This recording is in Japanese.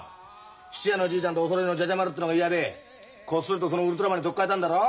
質屋のじいちゃんとおそろいのじゃじゃまるってのが嫌でこっそりとそのウルトラマンに取っ替えたんだろ？